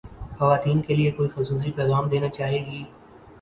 خواتین کے لئے کوئی خصوصی پیغام دینا چاہیے گی